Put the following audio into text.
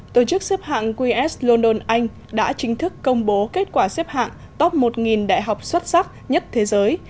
tổ chức xếp hạng qs london anh đã chính thức công bố kết quả xếp hạng top một đại học xuất sắc nhất thế giới